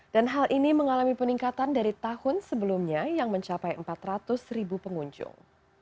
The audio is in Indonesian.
dan hal ini mengalami peningkatan dari tahun sebelumnya yang mencapai empat ratus ribu pengunjung